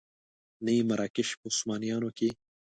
نه یې مراکش په عثمانیانو کې.